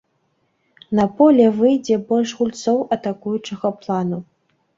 На поле выйдзе больш гульцоў атакуючага плану.